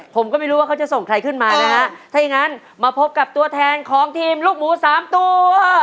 ผมก็ไม่รู้ว่าเขาจะส่งใครขึ้นมานะฮะถ้าอย่างงั้นมาพบกับตัวแทนของทีมลูกหมูสามตัว